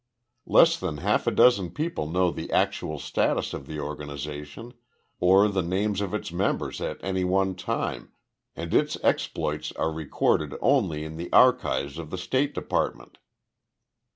Less than half a dozen people know the actual status of the organization or the names of its members at any one time, and its exploits are recorded only in the archives of the State Department."